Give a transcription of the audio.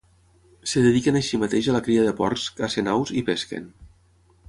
Es dediquen així mateix a la cria de porcs, cacen aus i pesquen.